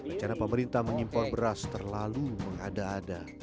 rencana pemerintah mengimpor beras terlalu mengada ada